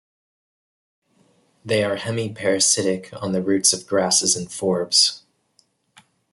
They are hemiparasitic on the roots of grasses and forbs.